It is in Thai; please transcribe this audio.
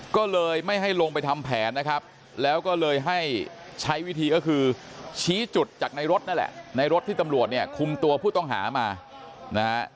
ก็เลยไม่ให้ลงไปทำแผนนะครับแล้วก็เลยให้ใช้วิธีก็คือชี้จุดจากในรถนั่นแหละในรถที่ตำรวจเนี่ยคุมตัวผู้ต้องหามานะฮะ